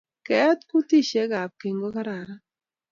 ke eeet kutisheck ab keny ko kararan